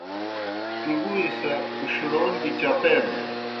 ڇُبُوئے سہ اُشڑَون گیْ چپینَن۔